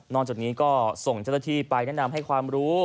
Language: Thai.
จากนี้ก็ส่งเจ้าหน้าที่ไปแนะนำให้ความรู้